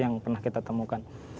yang kita temukan